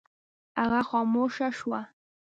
هغه خاموشه شوه.